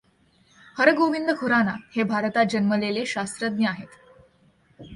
हरगोविंद खुराना हे भारतात जन्मलेले शास्त्रज्ञ आहेत.